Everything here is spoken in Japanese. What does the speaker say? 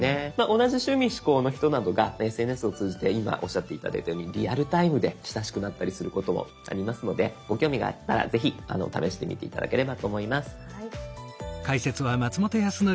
同じ趣味嗜好の人などがＳＮＳを通じて今おっしゃって頂いたようにリアルタイムで親しくなったりすることもありますのでご興味があったらぜひ試してみて頂ければと思います。